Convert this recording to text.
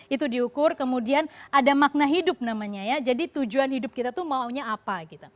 itu diukur kemudian ada makna hidup namanya jadi tujuan hidup kita itu maunya apa